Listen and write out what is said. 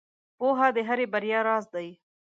• پوهه د هرې بریا راز دی.